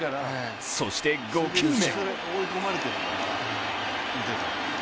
そして５球目。